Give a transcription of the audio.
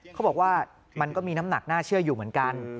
เขาบอกว่ามันก็มีน้ำหนักน่าเชื่ออยู่เหมือนกัน